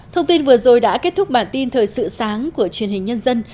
thông tin vừa rồi đã kết thúc bản tin thời sự sáng của truyền hình nhân dân